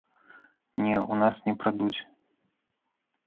Не, у нас не прадуць.